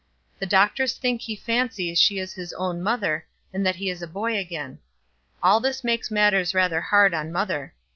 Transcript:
The doctors think he fancies she is his own mother, and that he is a boy again. All this makes matters rather hard on mother.